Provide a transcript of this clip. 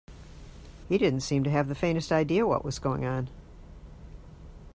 He didn't seem to have the faintest idea what was going on.